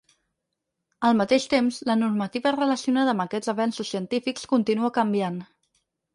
Al mateix temps, la normativa relacionada amb aquests avenços científics continua canviant.